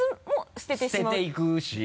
捨てていくし。